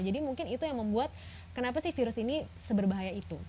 jadi mungkin itu yang membuat kenapa sih virus ini seberbahaya itu